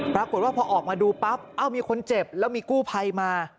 ปรากฏว่าพอออกมาดูปั๊บเอ้ามีคนเจ็บแล้วมีกู้ภัยมา